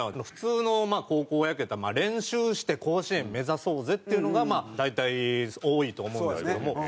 普通の高校野球やったら練習して甲子園目指そうぜっていうのがまあ大体多いと思うんですけども。